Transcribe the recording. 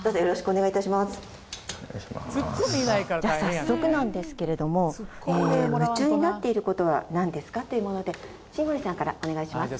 お願いしまーすじゃ早速なんですけれども夢中になっていることは何ですかというもので新堀さんからお願いします